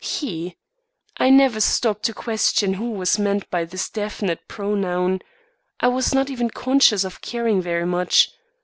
He! I never stopped to question who was meant by this definite pronoun. I was not even conscious of caring very much.